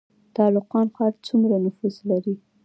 تالقان ښار څومره نفوس لري؟